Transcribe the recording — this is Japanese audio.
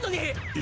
え？